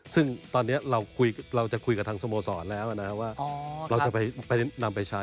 ซึ่งตอนนี้เราจะคุยกับทางสโมสรแล้วนะว่าเราจะไปนำไปใช้